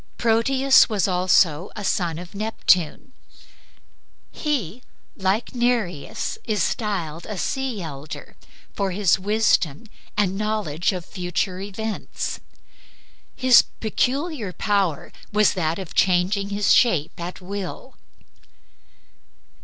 Proteus was also a son of Neptune. He, like Nereus, is styled a sea elder for his wisdom and knowledge of future events. His peculiar power was that of changing his shape at will.